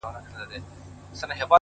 • له آدمه تر دې دمه ټول پیران یو ,